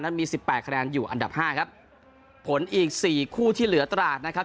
มีสิบแปดคะแนนอยู่อันดับห้าครับผลอีกสี่คู่ที่เหลือตราดนะครับ